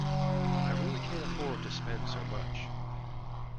I really can’t afford to spend so much